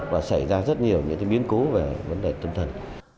và xảy ra rất nhiều những biến cố về vấn đề tâm thần